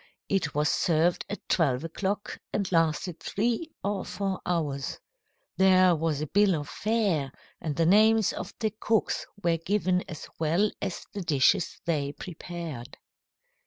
It was served at twelve o'clock, and lasted three or four hours. There was a bill of fare, and the names of the cooks were given as well as the dishes they prepared."